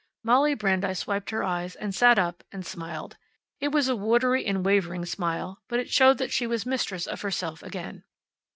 Molly Brandeis wiped her eyes, and sat up, and smiled. It was a watery and wavering smile, but it showed that she was mistress of herself again.